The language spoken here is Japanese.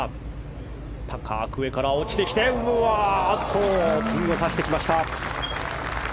高く上から落ちてきてピンをさしてきました。